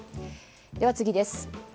では、次です。